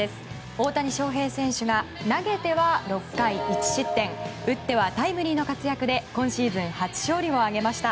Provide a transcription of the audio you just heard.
大谷翔平選手が投げては６回１失点打ってはタイムリーの活躍で今シーズン初勝利を挙げました。